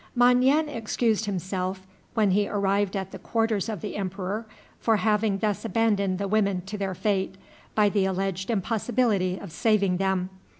Mon yen excused himself, when he arrived at the quarters of the emperor, for having thus abandoned the women to their fate by the alleged impossibility of saving them.